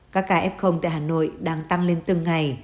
các ca f tại hà nội đang tăng lên từng ngày